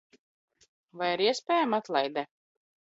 Vai ir iespējama atlaide?